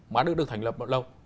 mà được thành lập lâu